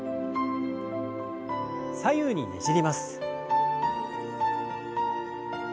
左右にねじります。